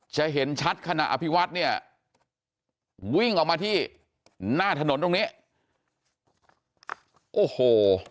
จะเห็นชัดขณะอภิวัฒน์เนี่ยวิ่งออกมาที่หน้าถนนตรงนี้โอ้โห